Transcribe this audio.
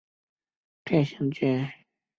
贡山栎为壳斗科栎属下的一个种。